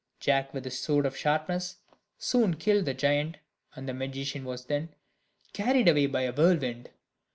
Jack with his sword of sharpness, soon killed the giant, and the magician was then carried away by a whirlwind.